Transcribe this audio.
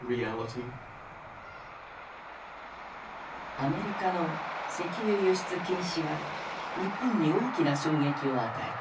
アメリカの石油輸出禁止は日本に大きな衝撃を与えた。